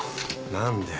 何で？